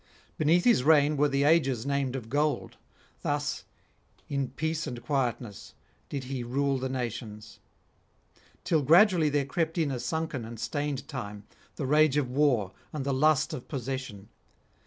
Beneath his reign were the ages named of gold; thus, in peace and quietness, did he rule the nations; till gradually there crept in a sunken and stained time, the rage of war, and the lust of possession.